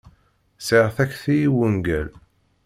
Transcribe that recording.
Sεiɣ takti i wungal.